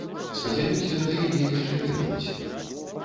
Спадзяюся, да яе яшчэ вернемся.